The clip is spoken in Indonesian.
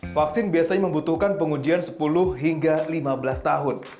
vaksin biasanya membutuhkan pengujian sepuluh hingga lima belas tahun